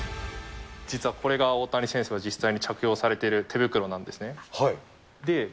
実はこれが、大谷選手が実際に着用されている手袋なんですね。